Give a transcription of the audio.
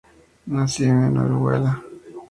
Nació en Orihuela.